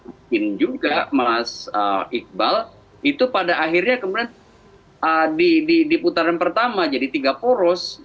mungkin juga mas iqbal itu pada akhirnya kemudian di putaran pertama jadi tiga poros